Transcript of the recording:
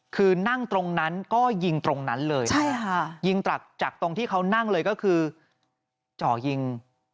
ก็ยิงตรงนั้นเลยค่ะยิงจากตรงที่เขานั่งเลยก็คือจอหยิง